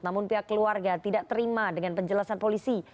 namun pihak keluarga tidak terima dengan penjelasan polisi